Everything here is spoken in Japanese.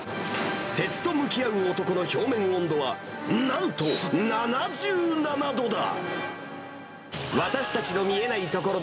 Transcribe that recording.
鉄と向き合う男の表面温度は、なんと７７度だ。